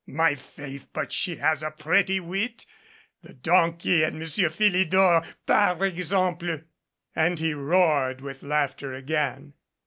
"My faith, but she has a pretty wit the donkey and Monsieur Philidor par exemple!" And he roared with laughter again.